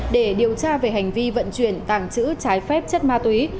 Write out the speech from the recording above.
để điều tra về hành vi vận chuyển tàng trữ trái phép chất ma túy